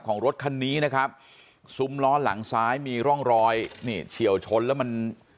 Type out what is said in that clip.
รถคันนี้นะครับซุ้มล้อหลังซ้ายมีร่องรอยนี่เฉียวชนแล้วมัน